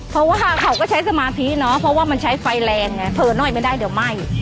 เพราะว่าเขาก็ใช้สมาธิเนาะเพราะว่ามันใช้ไฟแรงไงเผลอหน่อยไม่ได้เดี๋ยวไหม้